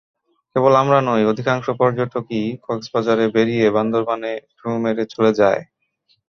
কেবল আমরা নই, অধিকাংশ পর্যটকই কক্সবাজারে বেড়িয়ে বান্দরবানে ঢুঁ মেরে চলে যায়।